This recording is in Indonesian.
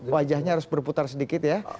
wajahnya harus berputar sedikit ya